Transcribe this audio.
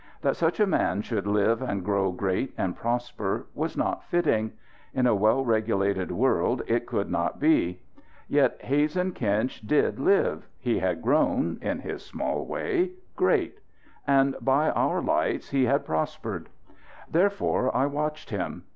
That such a man should live and grow great and prosper was not fitting; in a well regulated world it could not be. Yet Hazen Kinch did live; he had grown in his small way great; and by our lights he had prospered. Therefore I watched him.